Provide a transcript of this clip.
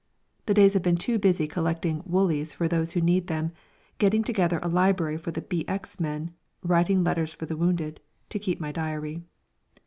The days have been too busy collecting "woollies" for those who need them, getting together a library for the "BX" men, writing letters for the wounded, to keep my diary.